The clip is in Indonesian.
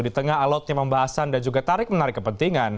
di tengah alotnya pembahasan dan juga tarik menarik kepentingan